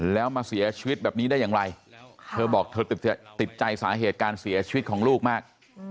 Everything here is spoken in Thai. แล้วมาเสียชีวิตแบบนี้ได้อย่างไรเธอบอกเธอติดใจสาเหตุการเสียชีวิตของลูกมาก